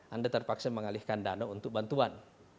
anda terpaksa mengalihkan dana untuk bantuan